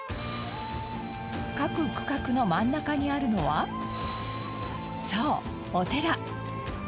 各区画の真ん中にあるのはそうお寺。